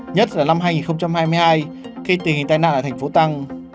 nhất là năm hai nghìn hai mươi hai khi tình hình tai nạn ở tp tăng